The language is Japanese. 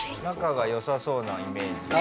仲が良さそうなイメージ。